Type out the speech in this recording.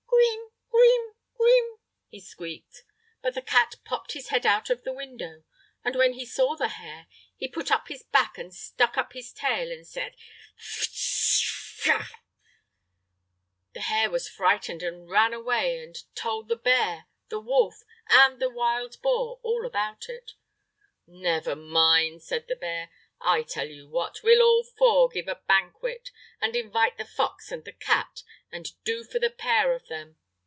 "Kreem kreem kreem!" he squeaked. But the cat popped his head out of the window, and when he saw the hare, he put up his back and stuck up his tail and said: "Ft t t t t Frrrrrrr!" The hare was frightened and ran away and told the bear, the wolf, and the wild boar all about it. "Never mind," said the bear, "I tell you what, we'll all four give a banquet, and invite the fox and the cat, and do for the pair of them.